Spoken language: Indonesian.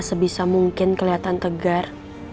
sebisa mungkin keliatan tegar